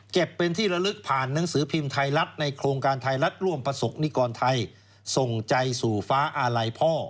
เป็นที่ระลึกผ่านหนังสือพิมพ์ไทยรัฐในโครงการไทยรัฐร่วมประสบนิกรไทยส่งใจสู่ฟ้าอาลัยพ่อ